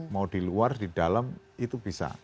mau di luar di dalam itu bisa